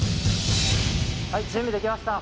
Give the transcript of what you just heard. はい準備できました。